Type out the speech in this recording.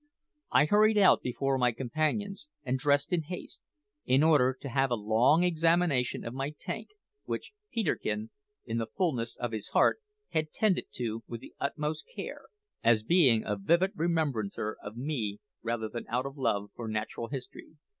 I hurried out before my companions, and dressed in haste, in order to have a long examination of my tank, which Peterkin, in the fulness of his heart, had tended with the utmost care, as being a vivid remembrancer of me rather than out of love for natural history.